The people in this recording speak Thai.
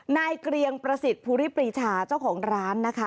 เกรียงประสิทธิ์ภูริปรีชาเจ้าของร้านนะคะ